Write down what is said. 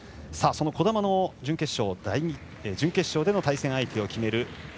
その児玉の準決勝での対戦相手を決める